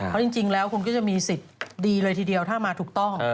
เพราะจริงแล้วคุณก็จะมีสิทธิ์ดีเลยทีเดียวถ้ามาถูกต้อง